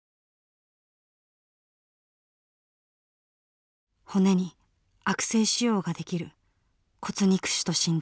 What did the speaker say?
骨に悪性腫瘍ができる骨肉腫と診断された。